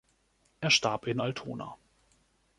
Er starb in Altona.